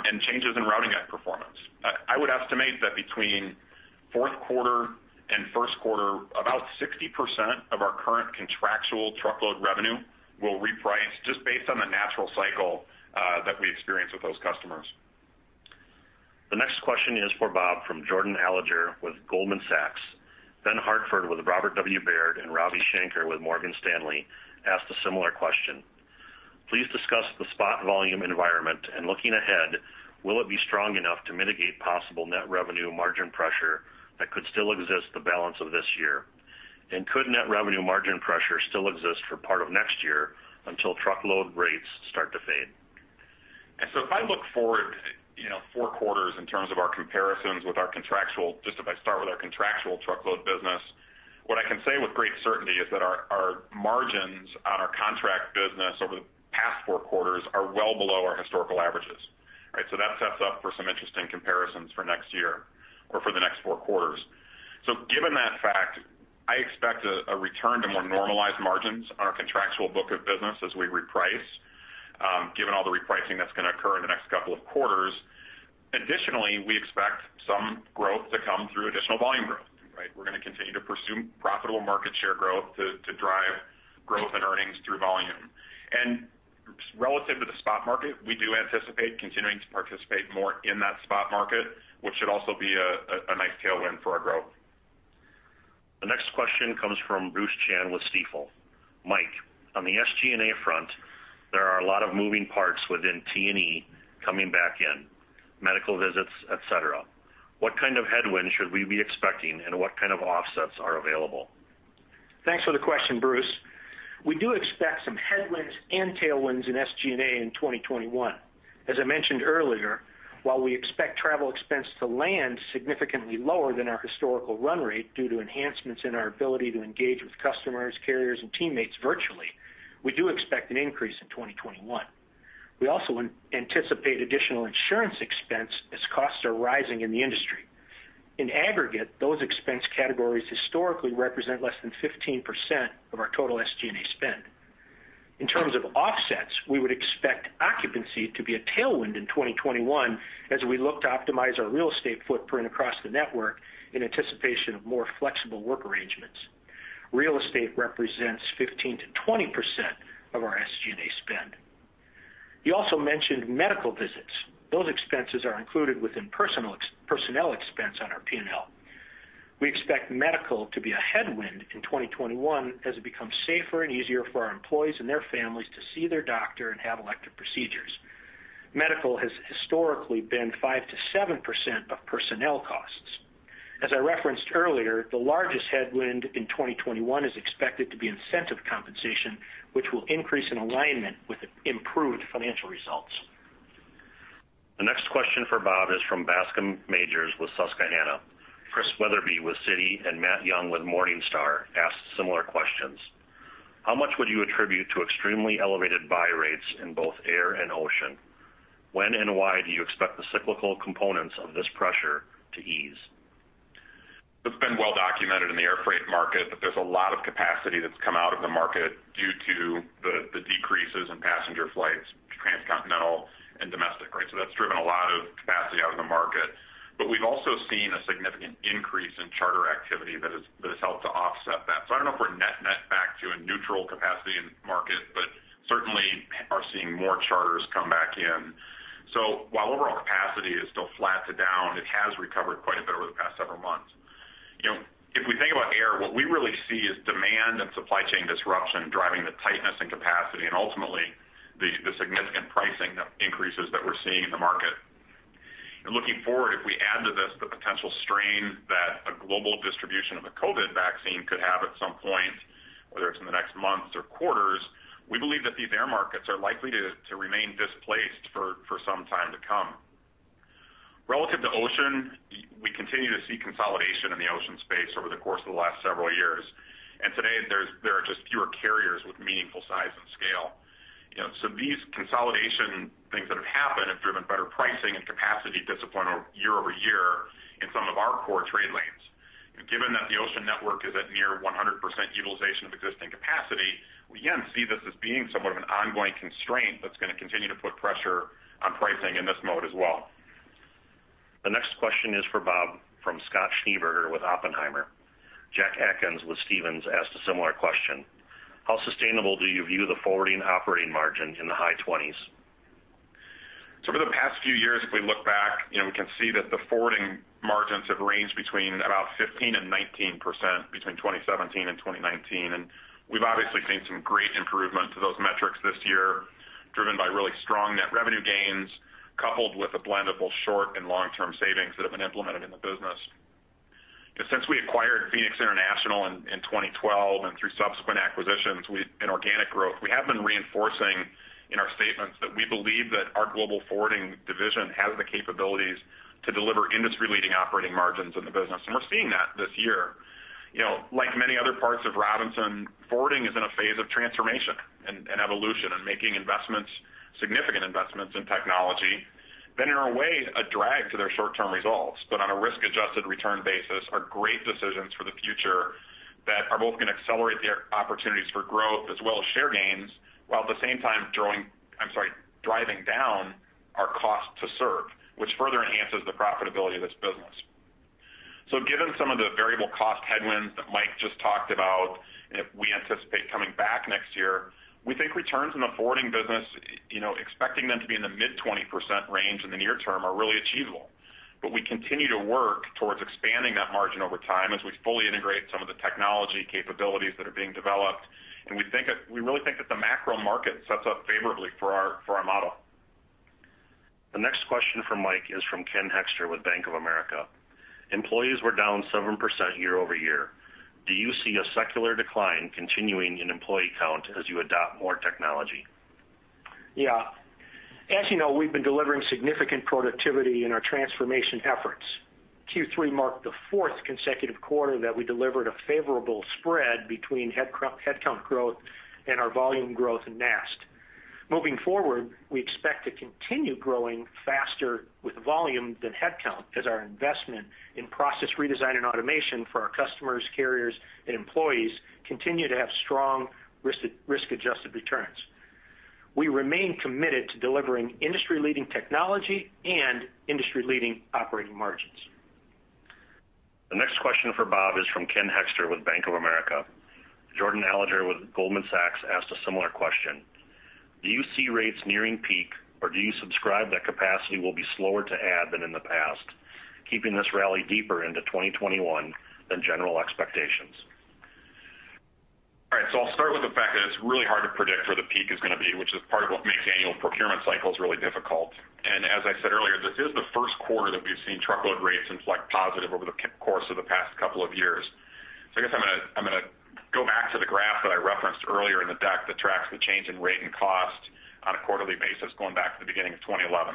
and changes in routing and performance. I would estimate that between fourth quarter and first quarter, about 60% of our current contractual truckload revenue will reprice just based on the natural cycle that we experience with those customers. The next question is for Bob from Jordan Alliger with Goldman Sachs. Ben Hartford with Robert W. Baird and Ravi Shanker with Morgan Stanley asked a similar question. "Please discuss the spot volume environment and looking ahead, will it be strong enough to mitigate possible net revenue margin pressure that could still exist the balance of this year? Could net revenue margin pressure still exist for part of next year until truckload rates start to fade? If I look forward four quarters in terms of our comparisons with our contractual, just if I start with our contractual truckload business, what I can say with great certainty is that our margins on our contract business over the past four quarters are well below our historical averages. Right? That sets up for some interesting comparisons for next year or for the next four quarters. Additionally, I expect a return to more normalized margins on our contractual book of business as we reprice, given all the repricing that's going to occur in the next couple of quarters. Additionally, we expect some growth to come through additional volume growth, right? We're going to continue to pursue profitable market share growth to drive growth and earnings through volume. Relative to the spot market, we do anticipate continuing to participate more in that spot market, which should also be a nice tailwind for our growth. The next question comes from Bruce Chan with Stifel. "Mike, on the SG&A front, there are a lot of moving parts within T&E coming back in, medical visits, et cetera. What kind of headwinds should we be expecting and what kind of offsets are available? Thanks for the question, Bruce. We do expect some headwinds and tailwinds in SG&A in 2021. As I mentioned earlier, while we expect travel expense to land significantly lower than our historical run rate due to enhancements in our ability to engage with customers, carriers, and teammates virtually, we do expect an increase in 2021. We also anticipate additional insurance expense as costs are rising in the industry. In aggregate, those expense categories historically represent less than 15% of our total SG&A spend. In terms of offsets, we would expect occupancy to be a tailwind in 2021 as we look to optimize our real estate footprint across the network in anticipation of more flexible work arrangements. Real estate represents 15%-20% of our SG&A spend. You also mentioned medical visits. Those expenses are included within personnel expense on our P&L. We expect medical to be a headwind in 2021 as it becomes safer and easier for our employees and their families to see their doctor and have elective procedures. Medical has historically been 5%-7% of personnel costs. As I referenced earlier, the largest headwind in 2021 is expected to be incentive compensation, which will increase in alignment with improved financial results. The next question for Bob is from Bascome Majors with Susquehanna. Chris Wetherbee with Citi and Matt Young with Morningstar asked similar questions. "How much would you attribute to extremely elevated buy rates in both air and ocean? When and why do you expect the cyclical components of this pressure to ease? It's been well documented in the air freight market that there's a lot of capacity that's come out of the market due to the decreases in passenger flights, transcontinental and domestic, right? That's driven a lot of capacity out of the market. We've also seen a significant increase in charter activity that has helped to offset that. I don't know if we're net back to a neutral capacity in market, but certainly are seeing more charters come back in. While overall capacity is still flat to down, it has recovered quite a bit over the past several months. If we think about air, what we really see is demand and supply chain disruption driving the tightness and capacity and ultimately the significant pricing increases that we're seeing in the market. Looking forward, the strain that a global distribution of a COVID vaccine could have at some point, whether it's in the next months or quarters, we believe that these air markets are likely to remain displaced for some time to come. Relative to ocean, we continue to see consolidation in the ocean space over the course of the last several years. Today, there are just fewer carriers with meaningful size and scale. These consolidation things that have happened have driven better pricing and capacity discipline year-over-year in some of our core trade lanes. Given that the ocean network is at near 100% utilization of existing capacity, we again see this as being somewhat of an ongoing constraint that's going to continue to put pressure on pricing in this mode as well. The next question is for Bob from Scott Schneeberger with Oppenheimer. Jack Atkins with Stephens asked a similar question. How sustainable do you view the forwarding operating margin in the high 20s? For the past few years, if we look back, we can see that the forwarding margins have ranged between about 15%-19% between 2017-2019. We've obviously seen some great improvement to those metrics this year, driven by really strong net revenue gains, coupled with a blend of both short and long-term savings that have been implemented in the business. Since we acquired Phoenix International in 2012 and through subsequent acquisitions and organic growth, we have been reinforcing in our statements that we believe that our global forwarding division has the capabilities to deliver industry-leading operating margins in the business, and we're seeing that this year. Like many other parts of Robinson, forwarding is in a phase of transformation and evolution and making significant investments in technology that are, in a way, a drag to their short-term results, but on a risk-adjusted return basis, are great decisions for the future that are both going to accelerate their opportunities for growth as well as share gains, while at the same time driving down our cost to serve, which further enhances the profitability of this business. Given some of the variable cost headwinds that Mike just talked about, we anticipate coming back next year, we think returns in the forwarding business, expecting them to be in the mid 20% range in the near term are really achievable. We continue to work towards expanding that margin over time as we fully integrate some of the technology capabilities that are being developed, and we really think that the macro market sets up favorably for our model. The next question for Mike is from Ken Hoexter with Bank of America. Employees were down 7% year-over-year. Do you see a secular decline continuing in employee count as you adopt more technology? Yeah. As you know, we've been delivering significant productivity in our transformation efforts. Q3 marked the fourth consecutive quarter that we delivered a favorable spread between headcount growth and our volume growth in NAST. Moving forward, we expect to continue growing faster with volume than headcount as our investment in process redesign and automation for our customers, carriers, and employees continue to have strong risk-adjusted returns. We remain committed to delivering industry-leading technology and industry-leading operating margins. The next question for Bob is from Ken Hoexter with Bank of America. Jordan Alliger with Goldman Sachs asked a similar question. Do you see rates nearing peak, or do you subscribe that capacity will be slower to add than in the past, keeping this rally deeper into 2021 than general expectations? All right. I'll start with the fact that it's really hard to predict where the peak is going to be, which is part of what makes annual procurement cycles really difficult. As I said earlier, this is the first quarter that we've seen truckload rates inflect positive over the course of the past couple of years. I guess I'm going to go back to the graph that I referenced earlier in the deck that tracks the change in rate and cost on a quarterly basis going back to the beginning of 2011.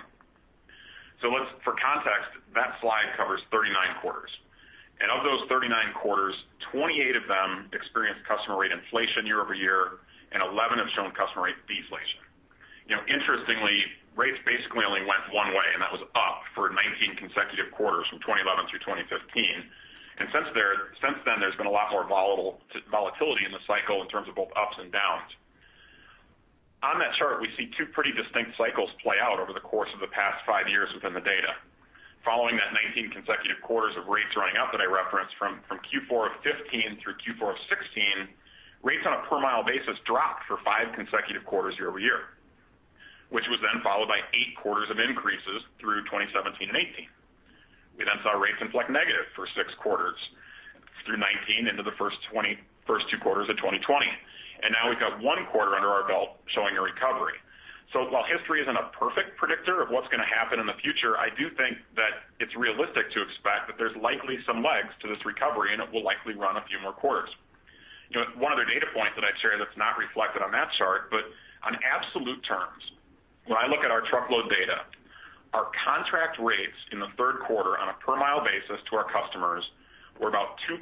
For context, that slide covers 39 quarters. Of those 39 quarters, 28 of them experienced customer rate inflation year-over-year, and 11 have shown customer rate deflation. Interestingly, rates basically only went one way, and that was up for 19 consecutive quarters from 2011 through 2015. Since then, there's been a lot more volatility in the cycle in terms of both ups and downs. On that chart, we see two pretty distinct cycles play out over the course of the past five years within the data. Following that 19 consecutive quarters of rates running up that I referenced from Q4 of 2015 through Q4 of 2016, rates on a per mile basis dropped for five consecutive quarters year-over-year, which was then followed by eight quarters of increases through 2017 and 2018. We saw rates inflect negative for six quarters through 2019 into the first two quarters of 2020. Now we've got one quarter under our belt showing a recovery. While history isn't a perfect predictor of what's going to happen in the future, I do think that it's realistic to expect that there's likely some legs to this recovery, and it will likely run a few more quarters. One other data point that I'd share that's not reflected on that chart, but on absolute terms, when I look at our truckload data, our contract rates in the third quarter on a per mile basis to our customers were about 2%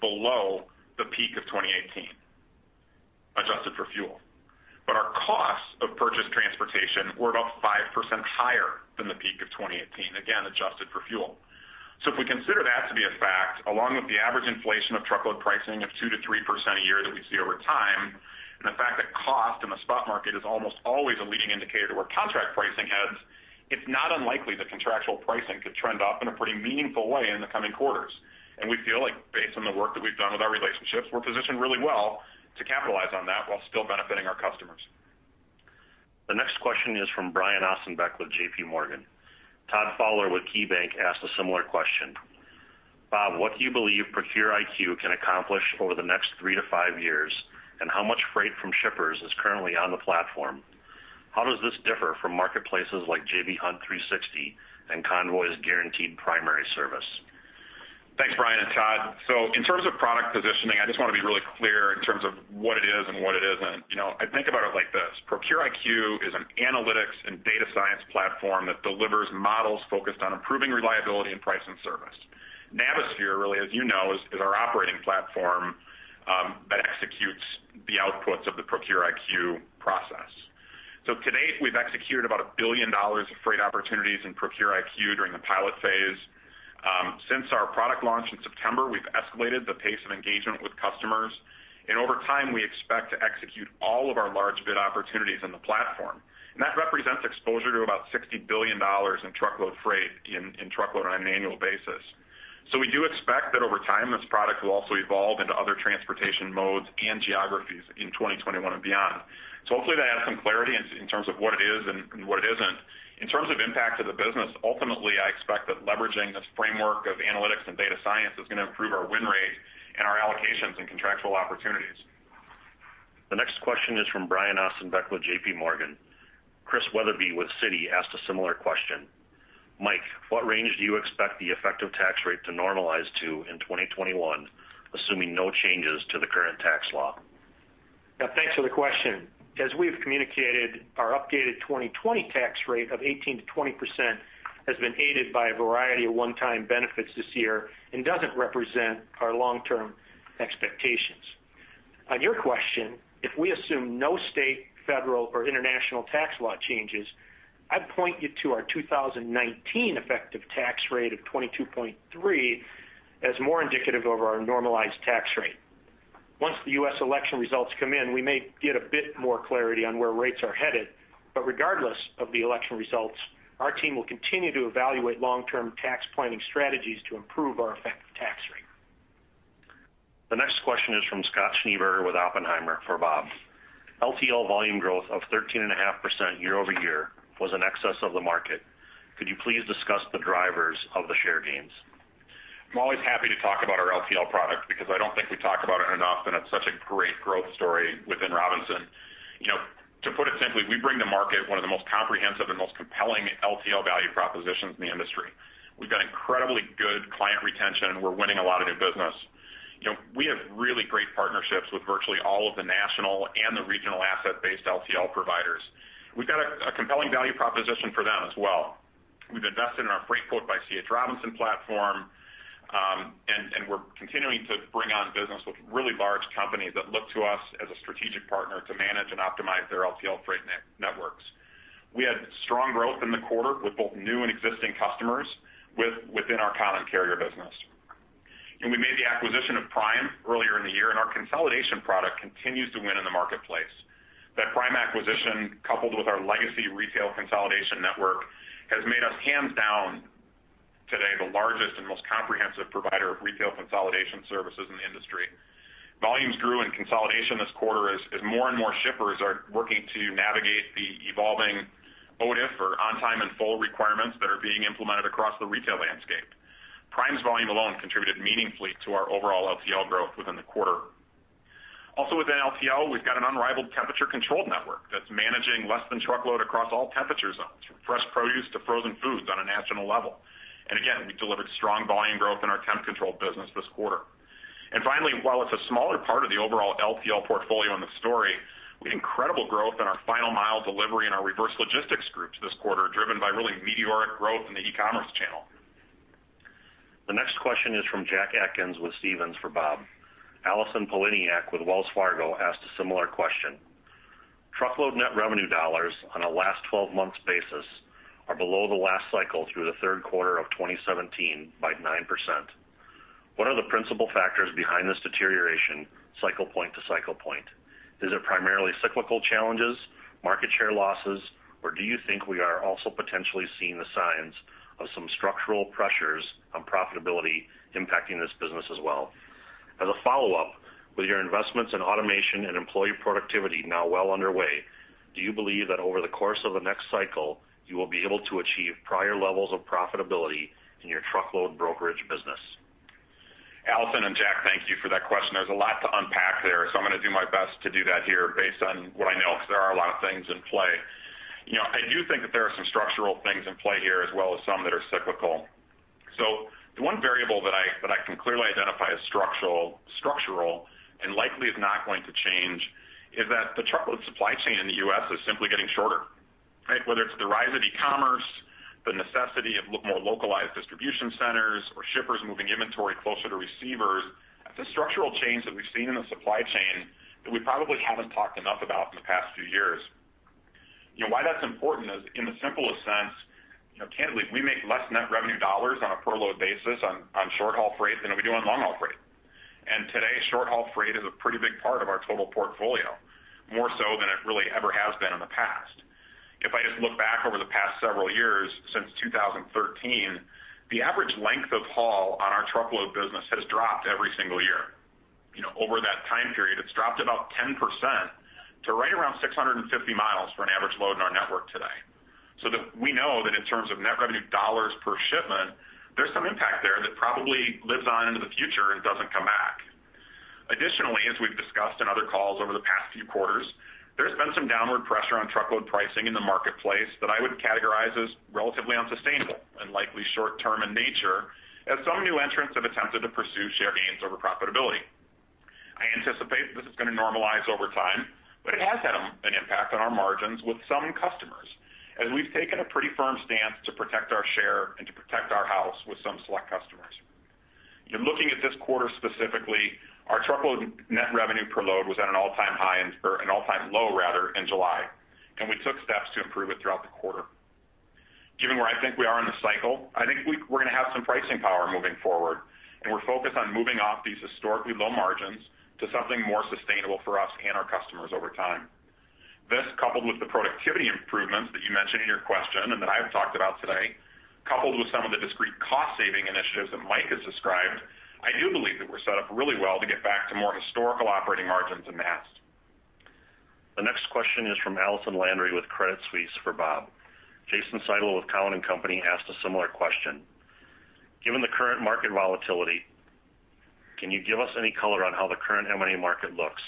below the peak of 2018, adjusted for fuel. Our costs of purchased transportation were about 5% higher than the peak of 2018, again, adjusted for fuel. If we consider that to be a fact, along with the average inflation of truckload pricing of 2%-3% a year that we see over time, and the fact that cost in the spot market is almost always a leading indicator to where contract pricing heads, it's not unlikely that contractual pricing could trend up in a pretty meaningful way in the coming quarters. We feel like based on the work that we've done with our relationships, we're positioned really well to capitalize on that while still benefiting our customers. The next question is from Brian Ossenbeck with JPMorgan. Todd Fowler with KeyBank asked a similar question. Bob, what do you believe Procure IQ can accomplish over the next three to five years, and how much freight from shippers is currently on the platform? How does this differ from marketplaces like J.B. Hunt 360 and Convoy's Guaranteed Primary service? Thanks, Brian and Todd. In terms of product positioning, I just want to be really clear in terms of what it is and what it isn't. I think about it like this. ProcureIQ is an analytics and data science platform that delivers models focused on improving reliability and pricing service. Navisphere, really, as you know, is our operating platform that executes the outputs of the ProcureIQ process. To date, we've executed about $1 billion of freight opportunities in ProcureIQ during the pilot phase. Since our product launch in September, we've escalated the pace of engagement with customers. Over time, we expect to execute all of our large bid opportunities on the platform. That represents exposure to about $60 billion in truckload freight on an annual basis. We do expect that over time, this product will also evolve into other transportation modes and geographies in 2021 and beyond. Hopefully, that adds some clarity in terms of what it is and what it isn't. In terms of impact to the business, ultimately, I expect that leveraging this framework of analytics and data science is going to improve our win rate and our allocations and contractual opportunities. The next question is from Brian Ossenbeck with JPMorgan. Chris Wetherbee with Citi asked a similar question. Mike, what range do you expect the effective tax rate to normalize to in 2021, assuming no changes to the current tax law? Yeah, thanks for the question. As we have communicated, our updated 2020 tax rate of 18%-20% has been aided by a variety of one-time benefits this year and doesn't represent our long-term expectations. On your question, if we assume no state, federal, or international tax law changes, I'd point you to our 2019 effective tax rate of 22.3% as more indicative of our normalized tax rate. Once the U.S. election results come in, we may get a bit more clarity on where rates are headed. Regardless of the election results, our team will continue to evaluate long-term tax planning strategies to improve our effective tax rate. The next question is from Scott Schneeberger with Oppenheimer for Bob. LTL volume growth of 13.5% year-over-year was in excess of the market. Could you please discuss the drivers of the share gains? I'm always happy to talk about our LTL product because I don't think we talk about it enough. It's such a great growth story within Robinson. To put it simply, we bring to market one of the most comprehensive and most compelling LTL value propositions in the industry. We've got incredibly good client retention. We're winning a lot of new business. We have really great partnerships with virtually all of the national and the regional asset-based LTL providers. We've got a compelling value proposition for them as well. We've invested in our Freightquote by C.H. Robinson platform. We're continuing to bring on business with really large companies that look to us as a strategic partner to manage and optimize their LTL freight networks. We had strong growth in the quarter with both new and existing customers within our common carrier business. We made the acquisition of Prime earlier in the year, and our consolidation product continues to win in the marketplace. That Prime acquisition, coupled with our legacy retail consolidation network, has made us hands down today the largest and most comprehensive provider of retail consolidation services in the industry. Volumes grew in consolidation this quarter as more and more shippers are working to navigate the evolving OTIF, or On Time In Full requirements that are being implemented across the retail landscape. Prime's volume alone contributed meaningfully to our overall LTL growth within the quarter. Also within LTL, we've got an unrivaled temperature-controlled network that's managing less than truckload across all temperature zones, from fresh produce to frozen foods on a national level. Again, we delivered strong volume growth in our temp control business this quarter. Finally, while it's a smaller part of the overall LTL portfolio in the story, we had incredible growth in our final mile delivery and our reverse logistics groups this quarter, driven by really meteoric growth in the e-commerce channel. The next question is from Jack Atkins with Stephens for Bob. Allison Poliniak-Cusic with Wells Fargo asked a similar question. "Truckload net revenue dollars on a last 12 months basis are below the last cycle through the third quarter of 2017 by 9%. What are the principal factors behind this deterioration cycle point to cycle point? Is it primarily cyclical challenges, market share losses, or do you think we are also potentially seeing the signs of some structural pressures on profitability impacting this business as well? As a follow-up, with your investments in automation and employee productivity now well underway, do you believe that over the course of the next cycle, you will be able to achieve prior levels of profitability in your truckload brokerage business? Allison and Jack, thank you for that question. There's a lot to unpack there, so I'm going to do my best to do that here based on what I know because there are a lot of things in play. I do think that there are some structural things in play here, as well as some that are cyclical. The one variable that I can clearly identify as structural and likely is not going to change is that the truckload supply chain in the U.S. is simply getting shorter, right? Whether it's the rise of e-commerce, the necessity of more localized distribution centers, or shippers moving inventory closer to receivers, that's a structural change that we've seen in the supply chain that we probably haven't talked enough about in the past few years. Why that's important is in the simplest sense, candidly, we make less net revenue dollars on a per load basis on short-haul freight than we do on long-haul freight. Today, short-haul freight is a pretty big part of our total portfolio, more so than it really ever has been in the past. If I just look back over the past several years since 2013, the average length of haul on our truckload business has dropped every single year. Over that time period, it's dropped about 10% to right around 650 miles for an average load in our network today. We know that in terms of net revenue dollars per shipment, there's some impact there that probably lives on into the future and doesn't come back. Additionally, as we've discussed in other calls over the past few quarters, there's been some downward pressure on truckload pricing in the marketplace that I would categorize as relatively unsustainable and likely short-term in nature, as some new entrants have attempted to pursue share gains over profitability. I anticipate this is going to normalize over time, but it has had an impact on our margins with some customers, as we've taken a pretty firm stance to protect our share and to protect our house with some select customers. Looking at this quarter specifically, our truckload net revenue per load was at an all-time low in July, and we took steps to improve it throughout the quarter. Given where I think we are in the cycle, I think we're going to have some pricing power moving forward, and we're focused on moving off these historically low margins to something more sustainable for us and our customers over time. This, coupled with the productivity improvements that you mentioned in your question and that I have talked about today, coupled with some of the discrete cost-saving initiatives that Mike has described, I do believe that we're set up really well to get back to more historical operating margins in the past. The next question is from Allison Landry with Credit Suisse for Bob. Jason Seidl with Cowen and Company asked a similar question. Given the current market volatility, can you give us any color on how the current M&A market looks?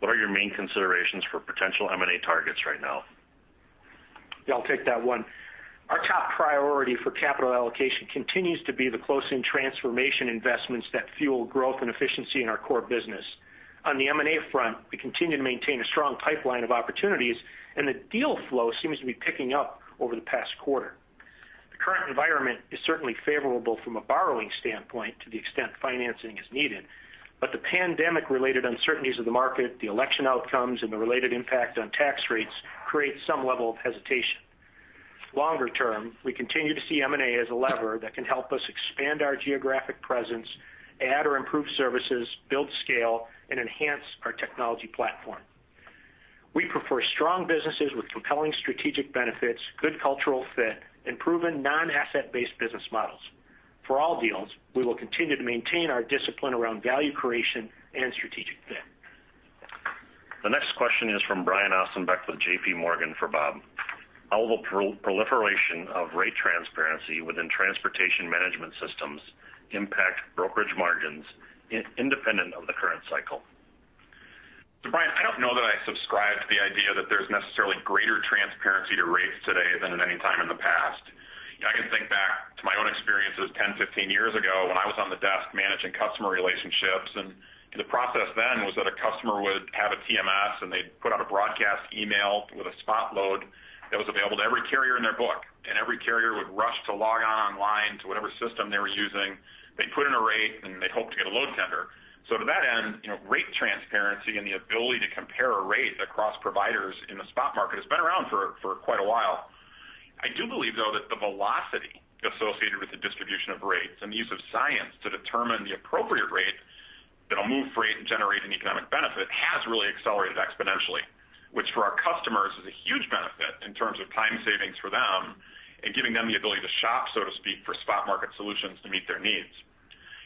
What are your main considerations for potential M&A targets right now? Yeah, I'll take that one. Our top priority for capital allocation continues to be the close-in transformation investments that fuel growth and efficiency in our core business. On the M&A front, we continue to maintain a strong pipeline of opportunities, and the deal flow seems to be picking up over the past quarter. The current environment is certainly favorable from a borrowing standpoint to the extent financing is needed, but the pandemic-related uncertainties of the market, the election outcomes, and the related impact on tax rates create some level of hesitation. Longer term, we continue to see M&A as a lever that can help us expand our geographic presence, add or improve services, build scale, and enhance our technology platform. We prefer strong businesses with compelling strategic benefits, good cultural fit, and proven non-asset-based business models. For all deals, we will continue to maintain our discipline around value creation and strategic fit. The next question is from Brian Ossenbeck with JPMorgan for Bob. How will the proliferation of rate transparency within transportation management systems impact brokerage margins independent of the current cycle? Brian, I don't know that I subscribe to the idea that there's necessarily greater transparency to rates today than at any time in the past. I can think back to my own experiences 10, 15 years ago when I was on the desk managing customer relationships, and the process then was that a customer would have a TMS, and they'd put out a broadcast email with a spot load that was available to every carrier in their book, and every carrier would rush to log on online to whatever system they were using. They'd put in a rate, and they'd hope to get a load tender. To that end, rate transparency and the ability to compare a rate across providers in the spot market has been around for quite a while. I do believe, though, that the velocity associated with the distribution of rates and the use of science to determine the appropriate rate that'll move freight and generate an economic benefit has really accelerated exponentially. Which for our customers is a huge benefit in terms of time savings for them and giving them the ability to shop, so to speak, for spot market solutions to meet their needs.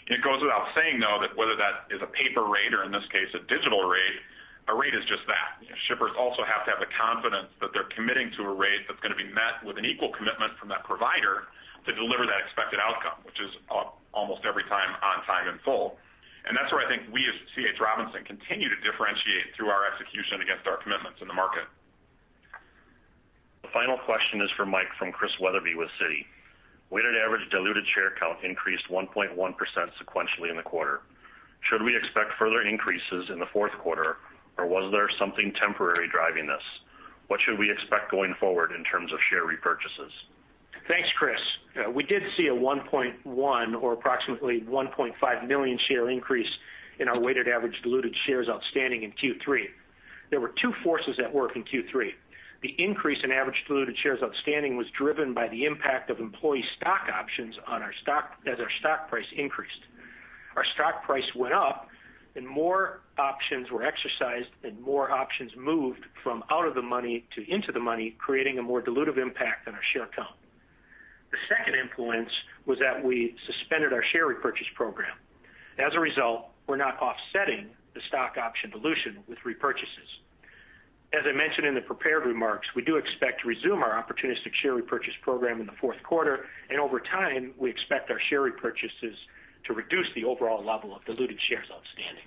It goes without saying, though, that whether that is a paper rate or in this case a digital rate, a rate is just that. Shippers also have to have the confidence that they're committing to a rate that's going to be met with an equal commitment from that provider to deliver that expected outcome, which is almost every time on time and full. That's where I think we,- As C. H. Robinson, continue to differentiate through our execution against our commitments in the market. The final question is for Mike from Chris Wetherbee with Citi. Weighted average diluted share count increased 1.1% sequentially in the quarter. Should we expect further increases in the fourth quarter, or was there something temporary driving this? What should we expect going forward in terms of share repurchases? Thanks, Chris. We did see a 1.1 or approximately 1.5 million shares increase in our weighted average diluted shares outstanding in Q3. There were two forces at work in Q3. The increase in average diluted shares outstanding was driven by the impact of employee stock options as our stock price increased. Our stock price went up, and more options were exercised, and more options moved from out of the money to into the money, creating a more dilutive impact on our share count. The second influence was that we suspended our share repurchase program. As a result, we're not offsetting the stock option dilution with repurchases. As I mentioned in the prepared remarks, we do expect to resume our opportunistic share repurchase program in the fourth quarter, and over time, we expect our share repurchases to reduce the overall level of diluted shares outstanding.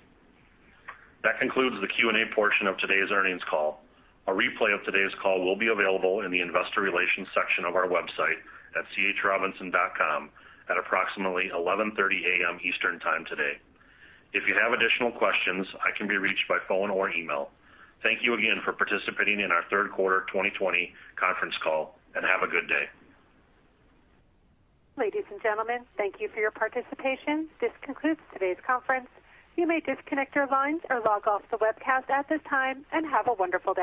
That concludes the Q&A portion of today's earnings call. A replay of today's call will be available in the investor relations section of our website at chrobinson.com at approximately 11:30 A.M. Eastern Time today. If you have additional questions, I can be reached by phone or email. Thank you again for participating in our third quarter 2020 conference call and have a good day. Ladies and gentlemen, thank you for your participation. This concludes today's conference. You may disconnect your lines or log off the webcast at this time and have a wonderful day.